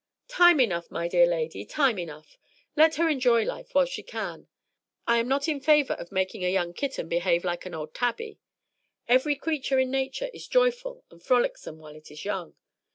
"Time enough, my dear lady, time enough. Let her enjoy life while she can. I am not in favor of making a young kitten behave like an old tabby; every creature in nature is joyful and frolicsome while it is young.